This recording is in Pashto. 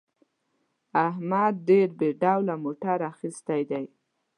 احمد ډېر بې ډوله موټر اخیستی دی.